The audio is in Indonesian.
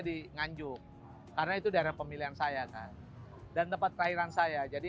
di nganjuk karena itu daerah pemilihan saya kan dan tempat kelahiran saya jadi